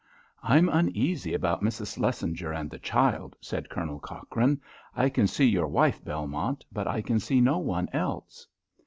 "I'm uneasy about Mrs. Shlesinger and the child," said Colonel Cochrane. "I can see your wife, Belmont, but I can see no one else."